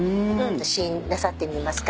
試飲なさってみますか？